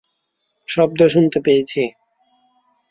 শব্দ শুনতে পেয়েছি।